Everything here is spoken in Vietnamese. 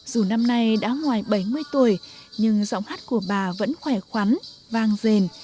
dù năm nay đã ngoài bảy mươi tuổi nhưng giọng hát của bà vẫn khỏe khoắn vang rền